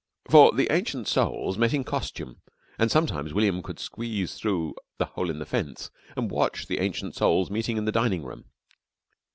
For the Ancient Souls met in costume, and sometimes William could squeeze through the hole in the fence and watch the Ancient Souls meeting in the dining room.